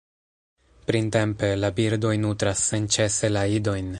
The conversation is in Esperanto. Printempe, la birdoj nutras senĉese la idojn.